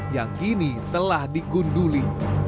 yang kini telah digunduli